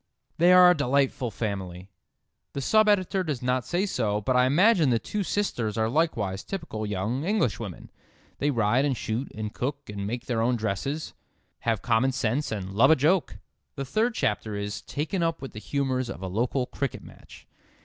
"They are a delightful family." The sub editor does not say so, but I imagine the two sisters are likewise typical young Englishwomen. They ride and shoot and cook and make their own dresses, have common sense and love a joke. The third chapter is "taken up with the humours of a local cricket match."